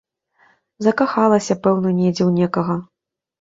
Закахалася, пэўна, недзе ў некага.